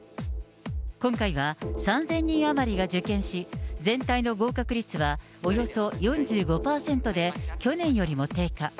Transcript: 今回は３０００人余りが受験し、全体の合格率はおよそ４５％で、去年よりも低下。